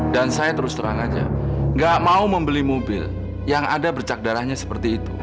dan saya terus terang aja gak mau membeli mobil yang ada pecah darahnya seperti itu